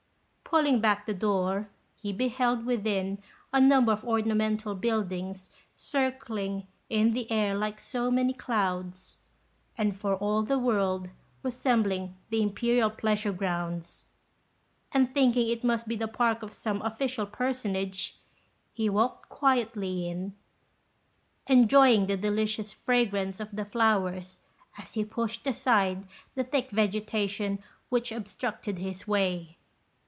Pulling back the door, he beheld within a number of ornamental buildings circling in the air like so many clouds, and for all the world resembling the Imperial pleasure grounds; and thinking it must be the park of some official personage, he walked quietly in, enjoying the delicious fragrance of the flowers as he pushed aside the thick vegetation which obstructed his way.